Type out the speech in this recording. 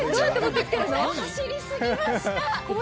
走りすぎました。